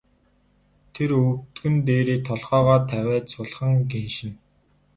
Тэр өвдгөн дээрээ толгойгоо тавиад сулхан гиншинэ.